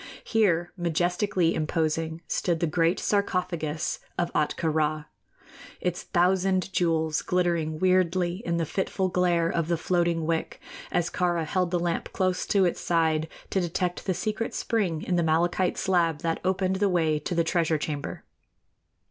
Here, majestically imposing, stood the great sarcophagus of Ahtka Rā, its thousand jewels glittering wierdly in the fitful glare of the floating wick, as Kāra held the lamp close to its side to detect the secret spring in the malachite slab that opened the way to the treasure chamber.